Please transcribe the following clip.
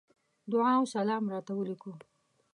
دعا وسلام راته وليکلو.